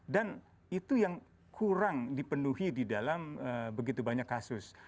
dan itu yang kurang dipenuhi di dalam begitu banyak kasus